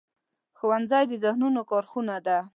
ښوونځی د ذهنونو کارخونه ده